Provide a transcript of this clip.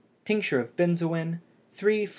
Tincture of benzoin 3 fl.